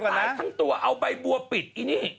หลายทั้งตัวเอาใบบัวปิดอีนี่